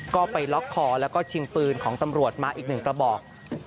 ก็ไปล็อกคอแล้วก็ชิงปืนของตำรวจมาอีกหนึ่งกระบอก